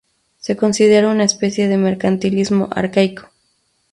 Se considera una especie de mercantilismo arcaico.